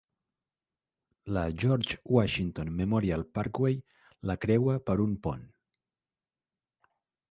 La George Washington Memorial Parkway la creua per un pont.